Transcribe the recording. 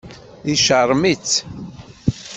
Yecṛem-itt.